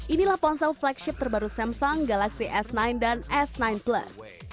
inilah ponsel flagship terbaru samsung galaxy s sembilan dan s sembilan plus